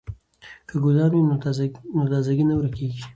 که ګلان وي نو تازه ګي نه ورکیږي.